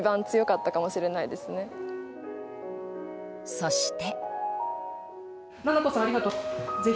そして。